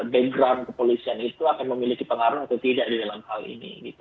background kepolisian itu akan memiliki pengaruh atau tidak di dalam hal ini